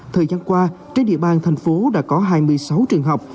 thời gian qua trên địa bàn thành phố đã có hai mươi sáu trường học